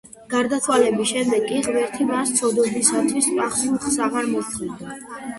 გარდაცვალების შემდეგ კი ღმერთი მას ცოდვებისათვის პასუხს აღარ მოსთხოვდა.